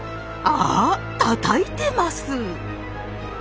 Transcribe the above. あったたいてます！